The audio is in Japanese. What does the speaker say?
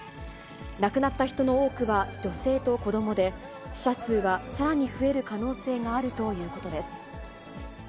亡くなった人の多くは女性と子どもで、死者数はさらに増える可能性があるということです。